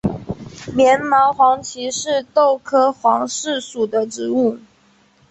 棉毛黄耆是豆科黄芪属的植物。